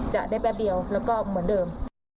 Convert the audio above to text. จะได้แป๊บเดียวแล้วก็เหมือนเดิม